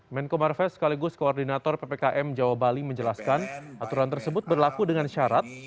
menko marves sekaligus koordinator ppkm jawa bali menjelaskan aturan tersebut berlaku dengan syarat